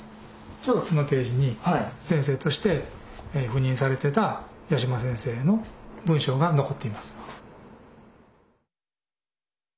ちょうどこのページに先生として赴任されてた八嶋先生の文章が残っています。